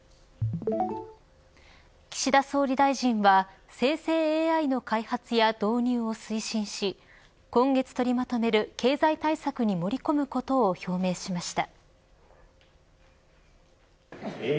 岸田総理大臣は生成ＡＩの開発や導入を推進し今月取りまとめる経済対策に盛り込むことを表明しました。